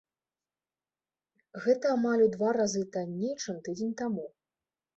Гэта амаль у два разы танней, чым тыдзень таму.